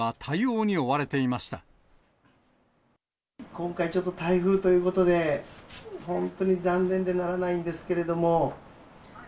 今回、ちょっと台風ということで、本当に残念でならないんですけれども。